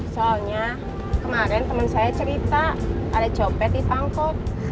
soalnya kemarin temen saya cerita ada copet di pangkot